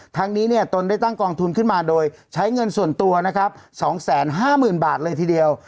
ทั้งนี้เนี่ยตนได้ตั้งกองทุนขึ้นมาโดยใช้เงินส่วนตัวนะครับ๒๕๐๐๐บาทเลยทีเดียว